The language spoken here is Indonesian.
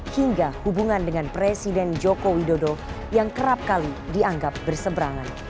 hingga hubungan dengan presiden joko widodo yang kerap kali dianggap berseberangan